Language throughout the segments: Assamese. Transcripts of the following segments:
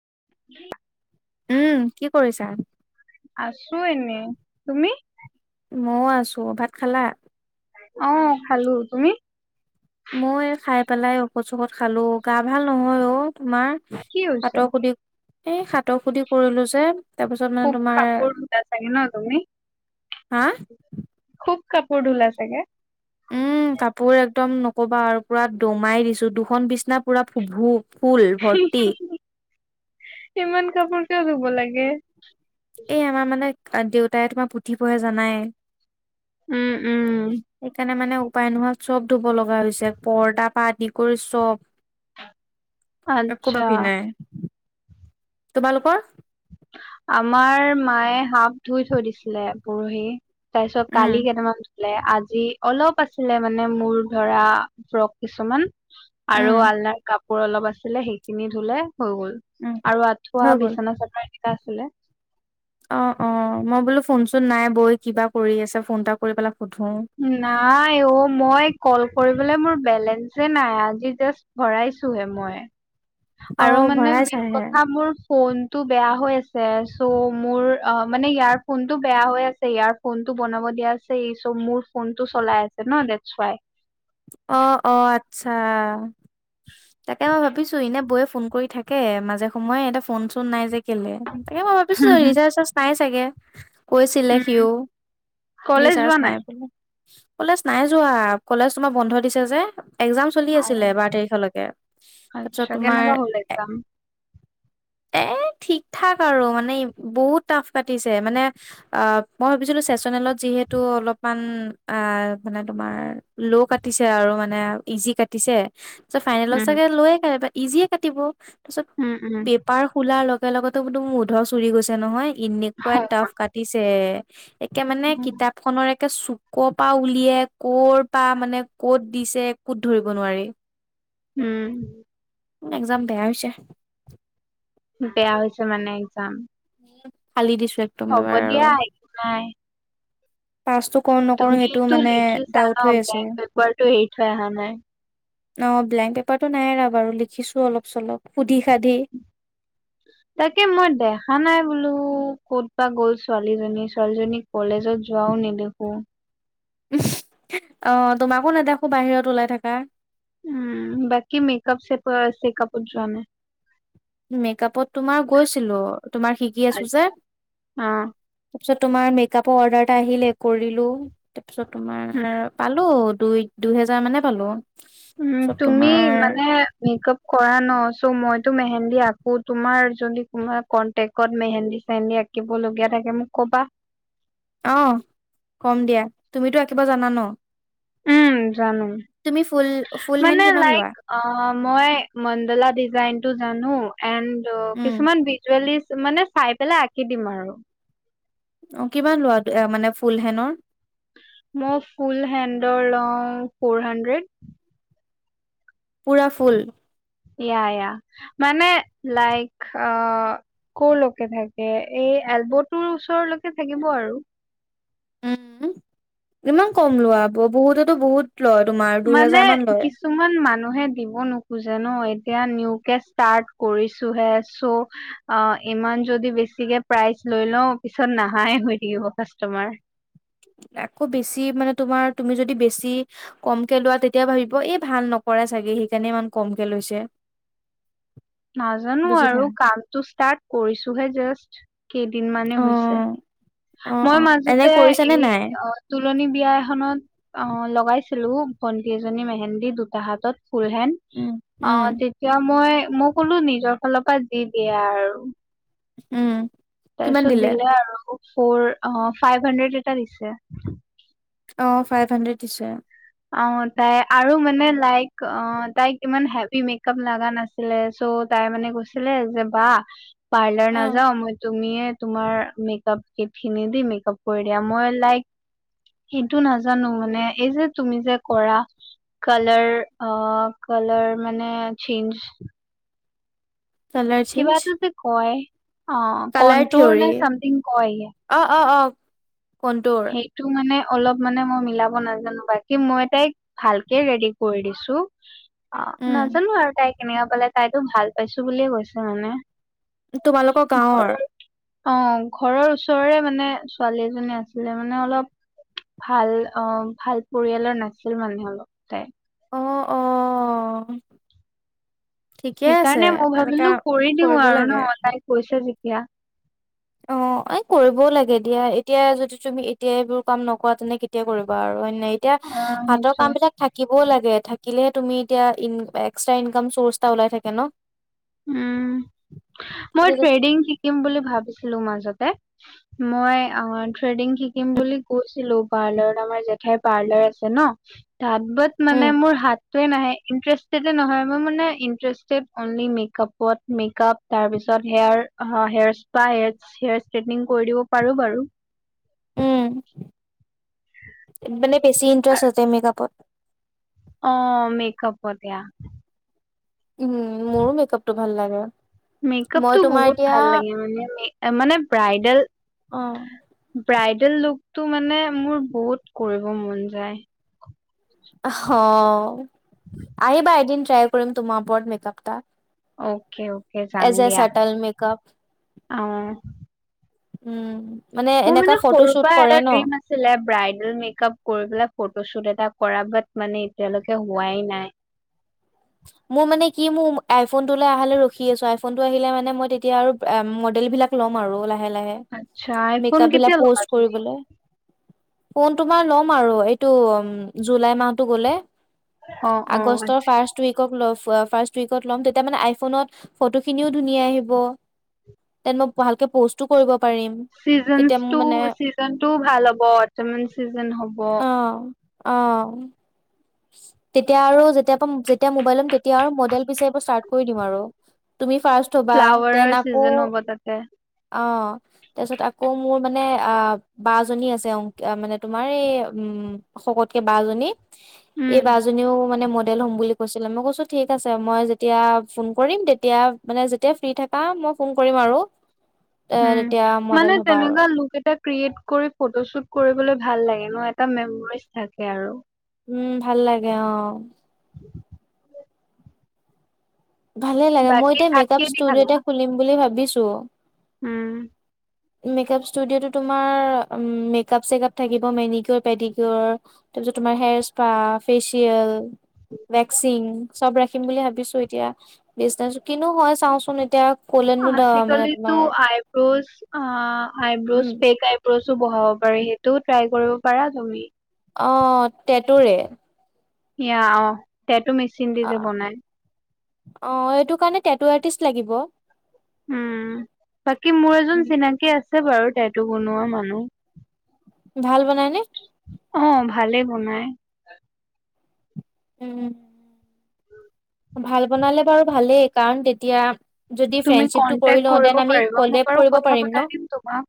[inaudible] উম কি কৰিছা। আছো এনে তুমি। মইয়ো আছো ভাত খালা। অ' খালো তুমি। মই খাই পেলাই ঔখধ চৌখত খালো গা ভাল নহয় অ'। তোমাৰ কি হৈছে সাতৰ সুধি এই সাতৰ সুধি কৰিলো যে তাৰপিছত মানে খুব তোমাৰ সাপোৰটা চাগে ন তুমি হা খুব কাপোৰ ধোলা চাগে? উম, কাপোৰ একদম নকবা আৰু পুৰা দমাই দিছো দুখন বিছনা পুৰা ফুভ ফুল ভৰ্তি ইমান কাপোৰ কিয় ধুব লাগে? এই আমাৰ মানে দেউতাই তোমাৰ পুথি পঢ়ে জানাই। উম উম সেইকাৰণে মানে উপায় নোহোৱা চব ধুব লগা হৈছে পৰ্দাৰ পৰা আদি কৰি চব। একো আচ্ছা বাকী। নাই তোমালোকৰ? আমাৰ মায়ে হাপ ধুই থৈ দিছিলে। পৰহি তাৰপিছত উম কালি কেইটামান আজি অলপ আছিলে মানে মোৰ ধৰা ফ্ৰক কিছুমান উম আৰু আলনাত কাপোৰ অলপ আছিলে সেইখিনি ধুলে। হৈ গল উম আৰু আঠুৱা হৈ বিচনা চাদৰ এইকেইটা আছিলে। অঁ, অঁ বোলো ফোনচোন নাই বৌয়ে কিবা কৰি আছে ফোন এটা কৰিবেলাগ নাই অ, মই কল কৰিব বোলে, মোৰ বেলেঞ্চে নাই আজি জাষ্ট ভৰাইছোহে মই। অ আৰু মানে ভৰাই মেইন চাইহে কথা মোৰ ফোনটো বেয়া হৈ আ চ' মোৰ অ মানে ইয়াৰ ফোন টো বেয়া হৈ আছে ইয়াৰ ফোন টো বনাব দিয়া আছে ই চ' মোৰ ফোনটো চলাই আছে ন দেছুৱাই আচছা তাকে মই ভাবিছো এনে বৌৱে ফোন কৰি থাকে মাজে সময়ে এটা ফোন চোন নাই যে কেলে তাকে মই ভাবিছো হুম, হুম। ৰিচাৰ্জ চাৰ্জ নাই চাগে কৈছিলে সিও উম, কলেজ নিচাৰ্জ যোৱা নাই বুলি কলেজ নাই যোৱা কলেজ তোমাৰ বন্ধ দিছে যে। এক্জাম চলি আছিলে অ' বাৰ তাৰিখলৈকে তাৰপিছত আচ্ছা তোমাৰ কেনেকা হ'ল এক্সাম? এ। ঠিক ঠাক আৰু মানে বহুত টাফ কাটিছে মানে অ, মই ভাবিছিলো চেচনেলত যিহেতু অলপমান আ মানে তোমাৰ ল' কাটিছে আৰু মানে ইজি কাটিছে চ' ফাইনেলত উম, চাগে লয়ে কাট ইজিয়ে কাটিব তাৰপিছত উম, উম। পেপাৰ খোলাৰ লগে লগতো বোধো মোৰ উধৰ চুৰি গৈছে নহয়। এনেকুৱাই টাফ কাটিছে একে মানে কিতাপ খনৰ চুকৰ পৰা উলিয়ে কৰ পা মানে ক'ত দিছে কত ধৰিব নোৱাৰি। উম। একজাম বেয়া হৈছে। বেয়া হৈছে মানে একজাম। ফালি দিছো একদম এবাৰ দিয়া আৰু একো নাই। পাছটো কৰো নকৰো সেইটোও তুমিতো মানে লিখিছা ডাউট ন হৈ আছে। বেক অ, পেপাৰটো এৰি থৈ অহা নাই। ব্লেংক পেপাৰটো নাই এৰা বাৰু লিখিছো অলপ চলপ। সুধি সাধি তাকে মই দেখা নাই বোলো। কো ক'ত বা গ'ল ছোৱালীজনী-ছোৱালীজনী কলেজত যোৱাও নেদেখো। [unintelligible] অ, তোমাকো নেদেখো বাহিৰত ওলাই থাকা। উম, বাকী মেকআপ চেপ চেকআপত যোৱা নাই? মেকআপত তোমাৰ গৈছিলো তোমাৰ শিকি আছো যে। আচ্ছা। অ তাৰপিছত তোমাৰ মেকআপৰ অৰ্ডাৰ এটা আহিলে কৰিলো তাৰপিছত উম তোমাৰ পালো দুই, দুই হেজাৰ মানে পালোঁ। উম, তুমি মানে মেকপ কৰা ন চ' মইতো মেহেন্দি আঁকো। তোমাৰ যদি কোনোবা কনটেক্টত মেহেন্দী চেহেন্দী আঁকিব লগীয়া থাকে মোক ক'বা। অ, কম দিয়া তুমিতো আকিব জানা ন। উম, জানম। তুমি ফুল ফুল হেন মানে কিমান লোৱা লাইক অ, মই মডলা ডিজাইন টো জানো এণ্ড দ উম কিছুমান ভিজুৱেলি মানে চাই পেলাই আকি দিম আৰু। অ, কিমান লোৱা অ, মানে ফুল হেনৰ? মই ফুল হেণ্ডৰ লও ফ'ৰ হাণ্ড্ৰেড। পুৰাফুল ইয়া - ইয়া মানে লাইক আহ, ক লৈকে থাকে এই এলব টোৰ ওচৰলৈকে থাকিব আৰু। উম, ইমান কম লোৱা ব-বহুততো - বহুত লয় তোমাৰ মানে দুহেজাৰ মান লয় কিছুমান মানুহে দিব নোখোজে ন এতিয়া নিউ কে ষ্টাৰ্ট কৰিছোহে চ' অ, ইমান যদি বেছিকে প্ৰাইচ লৈ লও পিছত নাহাই হৈ থাকিব কাষ্টমাৰ আকৌ বেছি মানে তোমাৰ তুমি যদি বেছি কমকে লোৱা তেতিয়া ভাবিব এই ভাল নক কৰে চাগে সেইকাৰণে ইমান কমকে লৈছে। নাজানো বুজিলা আৰু কামটো ষ্টাৰ্ট কৰিছো হে জাষ্ট কেইদিন মানেই অ হৈছে। অ মই অ এনে মাজতে কৰিছানে এই নাই অ, তোলনি বিয়া এখনত অ, লগাইছিলো ভণ্টি এজনী মেহেন্দী দুটা হাতত ফুল হেণ উম অ, উম তেতিয়া মই মোক কলো। নিজৰ ফালৰ পৰা যি দিয়ে আৰু। উম। তাৰপিছত দিলে আৰু। ফৰ অ', ফাইভ হাণ্ড্ৰেড এটা দিছে। অ', ফাইভ হাণ্ড্ৰেড দিছে। অ' তাই আৰু মানে লাইক অ' তাইক ইমান হেভী মেকআপ লগা নাছিলে ছ'। তাই মানে কৈছিলে যে বা পাৰ্লাৰ অ নাযাওঁ মই। তুমিয়ে তোমাৰ মেকআপ কিটখিনি দি মেকআপ কৰি দিয়া। মই লাইক সেইটো নাজানো। মানে এই যে, তুমি যে কৰা। কালাৰ অ', কালাৰ মানে চেইঞ্জ কালাৰ কিবা চেঞ্জ এটা যে কয়। অ', কালাৰ কণ্টৰ থিয়ৰী নে চামথিং কয়। অ অ অ কণ্টৰ সেইটো মানে অলপ মানে মই মিলাব নাজানোঁ। বাকী মই তাইক ভালকে ৰেডি কৰি দিছোঁ। অ', উম নাজানো আৰু তাই কেনেকা পালে। তাইতো ভাল পাইছো বুলিয়ে কৈছে মানে। তোমালোকৰ গাঁৱৰ? ঘৰৰ অ', ঘৰৰ ওচৰৰে মানে ছোৱালী এজনী আছ আছিলে মানে অলপ ভাল অ' ভাল পৰিয়ালৰ নাছিল মানে অলপ তাই অ' অ ঠিকে আছে সেইকাৰণে মই এনেকা ভাবিলো কৰি দিওঁ কৰিব আৰু লাগে ন' তাই কৈছে যেতিয়া। অ' অ' এই কৰিবও লাগে দিয়া এতিয়ায়ে যদি তুমি এতিয়া এইবোৰ কাম নকৰা তেন্তে কেতিয়া কৰিবা আৰু হয়নে? অ এতিয়া হাতৰ সেইটোৱে কামবিলাক থাকি ব লাগে থাকিলেহে তুমি এতিয়া ইন এক্সট্ৰা ইনকাম চৰ্চ এটা ওলাই থাকে ন' উম, মই এতিয়া যদি ট্ৰেডিং শিকিম বুলি ভাবিছো। লু মাজতে মই অ' থ্ৰেডিং শিকিম বুলি কৈছিলো। পাৰ্লাৰ আমাৰ জেঠাইৰ পাৰ্লাৰ আছে ন' তাত বাত মানে উম মোৰ হাত টোৱে নাহে ইন্টেৰেষ্টেড নহয় মো মানে ইন্টেৰেষ্টেড অনলি মেক কাপত মেকআপ তাৰপিছত হেয়াৰ আ'হেয়াৰ স্পা হেয়াৰ ষ্ট্ৰেটনিং কৰি দিব পাৰো বাৰু। উম, মানে বেছি ইণ্টাৰেষ্ট আছে মেকআপত। অ', মেকআপত ইয়া। উম, মোৰো মেকআপটো ভাল লাগে। মই মেকআপটো তোমাৰ বহুত এতিয়া ভাল লাগে মানে আ' মানে ব্ৰাইডেল অ ব্ৰাইডেল লুকটো মানে মোৰ বহুত কৰিব মন যায়। অহ, আহিবা এদিন ট্ৰাই কৰিম তোমাৰ ওপৰত মেকআপ এটা। অ'কে - অ'কে যাম এজ এ দিয়া চাৰ্টাল মেকআপ অ, উম, মোৰ এনেকা মানে ফটো সৰুৰ শ্বুট পৰা কৰে এটা ন ড্ৰিম আছিলে ব্ৰাইট। মেক আপ কৰি পেলাই ফটোশ্বুট এটা কৰা বাট মানে এতিয়ালৈকে হোৱাই নাই। [inaudible] মোৰ মানে কি মোৰ আইফোন আহে ৰখি আছো, আইফোন টো আহিলে মানে মই তেতিয়া আৰু মডেল বিলাক ল'ম। মাৰো লাহে - লাহে, আচ্ছা মেক আইফোন আপ বিলাক কেতিয়া ল'বা পোষ্ট তুমি? কৰিবলৈ। ফোন তোমাৰ ল'ম আৰু এইটো জুলাই মাহটো গ'লে। অ-অ। উইকত লৈ ফুৰা ফাৰ্ষ্ট উইকত, তাৰমানে আইফোনত ফটো খিনিও ধুনীয়া আহিব। তে মই ভালকে প'ষ্টো কৰিব। পাৰিম তেতিয়া মোৰ চিজন্সটো, মানে চিজনটোও ভাল হ'ব অতম চিজন হ'ব। অ অ', তেতিয়া আৰু যেতিয়া, যেতিয়া মোবাইল ল'ম তেতিয়া আৰু মডেল বিচাৰিব ষ্টাৰ্ট কৰি দিম আৰু। তুমি ফাৰ্ষ্ট হ'বা, ফ্লাৱাৰৰ দেন আকৌ। চিজন হ'ব তাতে অ, তাৰপিছত আকৌ মোৰ মানে অ, বা জনী আছে অংক মানে তোমাৰ এই। শকত কে বা জনী, উম, এই বা জনীয়ে মানে মন ল'ম বুলি কৈছিল। মেমে কৈছে, ঠিক আছে, মই যেতিয়া ফোন কৰিম, তেতিয়া, মানে যেতিয়া শুই থাকা। মই ফোন কৰিম আৰু। এ উম, তেতিয়া মডেল মানে হ'বা আৰু তেনেকুৱা লুক এটা ক্ৰিয়েট কৰি ফটোশ্বুট কৰিবলে ভাল লাগে। এটা মেম'ৰিছ থাকে আৰু। উম, ভাল লাগে অ, ভালে লাগে, মই বাকী এতিয়া ভাত মেকআপ কিহেদি ষ্টুডিঅ' খালা? এটা খুলিম বুলি ভাবিছোৱেই। উম, মেকাপ ষ্টুডিঅ'ত তোমাৰ মেকাপ-চেকাপ থাকিব মেনিকিয়ৰ, পেডিকিয়ৰ। তাৰ পিছত তোমাৰ, হেয়াৰ স্পা, ফেচিয়েল ভেক্সিং, চব ৰাখিম বুলি ভাবিছো এতিয়া। ডিছকাছ কৰি কিনো হয় চাওচোন এতিয়া। কলেনো দা মানে আজিকালিতো তোমাৰ আইব্ৰ'জ, অ, আইব্ৰজ, উম ফেক আইব্ৰজ বহাব পাৰি, সেইটোও ট্ৰাই কৰিব পাৰা তুমি। অ, টেটৰে। সেয়া অ' সেইটো মেচিন দি অ যে বনায়। অ' এইটো কাৰণে, টেটু আৰ্টিষ্ট লাগিব। উম! বাকী মোৰ এজন উম চিনাকি আছে। আছে বাৰু, টেটু বনোৱা মানুহ। ভাল বনাইনে? অ', ভালেই বনায়। উম, ভাল বনালে বাৰু ভালেই, কাৰণ তেতিয়া যদি তুমি ফ্ৰেণ্ডশ্বিপটো কৰি কন্টেক্ট লওঁ, কৰিব দেন আমি পাৰিবা মই কলেব বাৰু কৰিব কথা পাৰিম ন। পতাই অ', দিম তোমাক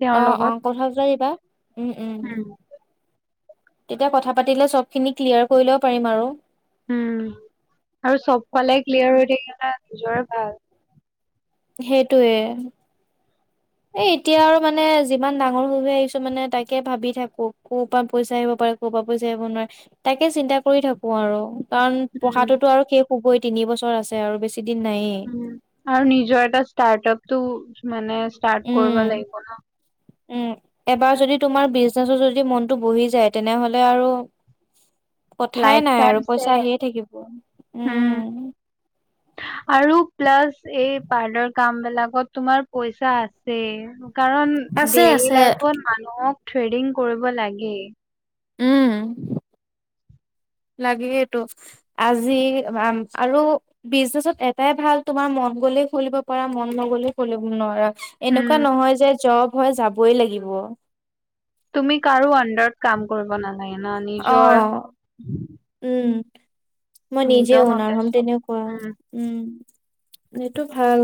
তেওঁৰ লগত অ' কথা [unintelligible] উম, উম। এতিয়া কথা পাতিলে চব খিনি ক্লিয়াৰ কৰি লব পাৰিম আৰু। উম, আৰু চব ফালে ক্লিয়াৰ হৈ থাকিলে এটা নিজৰে ভাল। সেইটোৱে। এ, এতিয়া আৰু মানে, যিমান ডাঙৰ হৈ আহিছোঁ মানে, তাকে ভাবি থাকোঁ ক'ৰ পৰা পইচা আহিব পাৰে ক'ৰপা পইচা আহিব [unintelligible] তাকে চিন্তা কৰি থাকোঁ আৰু। কাৰণ উম পঢ়াটো তো আৰু শেষ হ'বই, তিনি বছৰ আছে আৰু বেছি দিন নায়েই উম, আৰু নিজৰ এটা ষ্টাৰ্ট আপ টো মানে ষ্টাৰ্ট কৰিব উম! লাগিব উম! এবাৰ যদি তোমাৰ বিজ তাৰ পিছত যদি মনটো বহি যায়, তেনেহ'লে আৰু ন লাইফ কথাই নাই টাইম আৰু, পইচা চে আহিয়ে থাকিব, উম। আৰু প্লাছ এই পাৰ্লাৰ কাম বিলাকত তোমাৰ পইচা আছে কাৰণ আছে ডেইলি আছে লাইফত মানুহক থ্ৰেডিং কৰিব লাগে। উম। লাগেই টো আজি আৰু বিজনেচত এটাই ভাল তোমাৰ মন গ'লে খুলিব পাৰা মন নগ'লে খুলিব নোৱাৰা। এনেকুৱা উম নহয় যে জব হয় যাবই লাগিব। তুমি কাৰো আণ্ডাৰত কাম কৰিব নালাগে ন নিজৰ অ'। উম, মই নিজে নিজৰ অনাৰ মতে হম চব তেনেকুৱা উম উম। এইটো ভাল।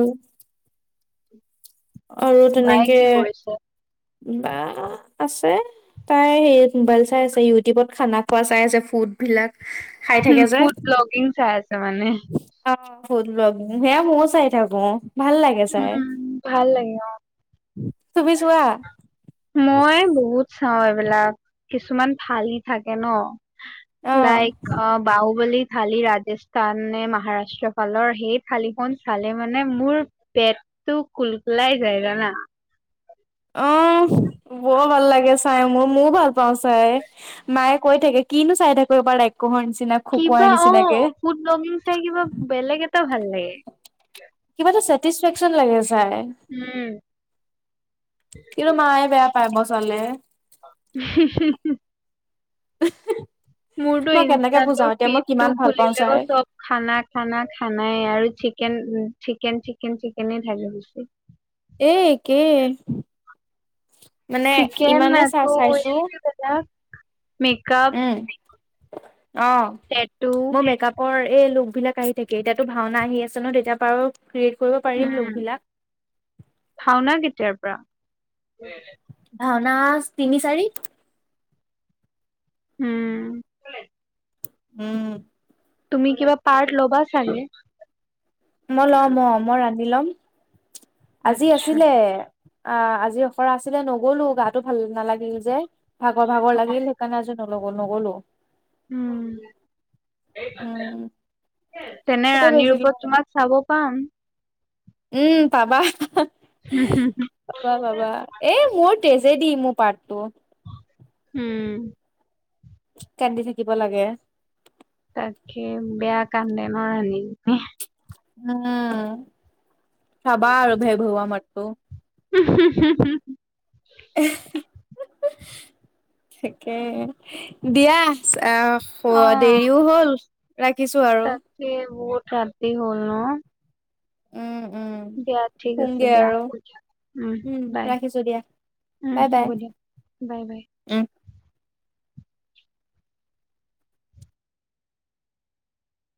আৰু বায়ে তেনেকে কি কৰিছে বা আছে তাই সেই মোবাইল চাই আছে ইউটিউবত খানা খোৱা চাই আছে ফুড বিলাক। খায় থাকে যে ফুড ব্লগিং চাই আছে মানে অ'। ফোদ ব্লগ সেয়া মইও চাই থাকো ভাল লাগে চাই। উম তুমি চোৱা [unintelligible] মই বহুত চাওঁ এইবিলাক কিছুমান ফালি থাকে ন। অ লাইক আ, বাহু বলি কালি ৰাজস্থান নে মহাৰাষ্ট্ৰ ফালৰ সেই [unintelligible] চালে মানে মোৰ পেটটো কুলকুলাই জায় জানা। অ' বৰ ভাল লাগে চাই মইও ভাল পাওঁ চাই মায়ে কৈ থাকে কিনো চাই থাকো এইবোৰ [unintelligible] নিচিনা। খকুৱাৰ কিবা নিচিনাকে। অ' ফুড ব্লগিং চাই কিবা বেলেগ এটা ভাল লাগে। [unintelligible] লাগে। চাই উম। কিয় মায়ে বেয়া পায় মই চালে? [unintelligible] [unintelligible] মোৰতো মই কেনেকে বুজাও ইনষ্টাতৰ এতিয়া মই ফিডটো কিমান ভাল পাওঁ খুলিলেও চাই। চব খানা খানা খানাই আৰু চিকেন উম চিকেন, চিকেন, চিকেনে থাকে বেছি। এ, একে। চিকেন। চাইছো [unintelligible] মেকআপ। উম টেটু অ' মোৰ মেকআপৰ এই লোক বিলাক আহি থাকে। এতিয়াতো ভাওনা আহি আছে ন তেতিয়া পাও উম ভাওনা কেতিয়াৰ পৰা? ভাওনা তিনি চাৰি। হ। উ। তুমি কিবা পাৰ্ট ল'বা চাগে? মই ল'ম অ' মই ৰাণী লম। আজি আচ্ছা আছিলে। আ আজি অখৰা আছিলে নগলো গাটো ভাল নালাগিল যে ভাগৰ ভাগৰ লাগিল হেকাৰণে যো নলগো, নগ'লো। উম, সেই তাতে। উম তেনে কেতিয়া ৰাণীৰ বেজি ওপৰত লয় তোমাক চাব পাম। উম পাবা, পাবা পাবা এই মোৰ তেজে দি মো পাৰ্টটো। হ। কান্দি থাকিব লাগে। তাকে বেয়া কান্দে নয় হেই। উম চাবা আৰু ভে ভেওৱা মাতটো। [inaudible] তাকে দিয়া চা আও অ শুৱা দেইও হ'ল, ৰাখিছো আৰু। খাতি হ'ল ন? উ। দিয়া ঠিক আছে দিয়া, উ উম বাই। ৰাখিছো দিয়া উ বাই বাই হ'ব দিয়া বাই বাই। উম